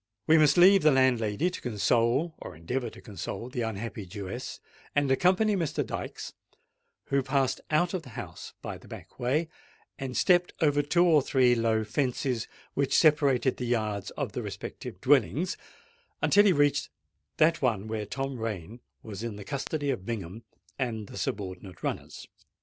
We must leave the landlady to console—or endeavour to console the unhappy Jewess,—and accompany Mr. Dykes, who passed out of the house by the back way, and stepped over two or three low fences which separated the yards of the respective dwellings, until he reached that one where Tom Rain was in the custody of Bingham and the subordinate runners.